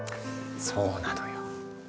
そうなのよ。